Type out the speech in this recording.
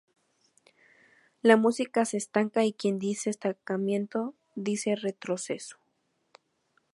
La música se estanca y quien dice estancamiento dice retroceso.